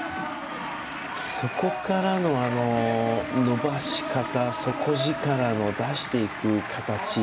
そこからの伸ばし方底力の出していく形。